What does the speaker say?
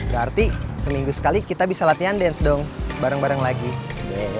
berarti seminggu sekali kita bisa latihan dance dong bareng bareng lagi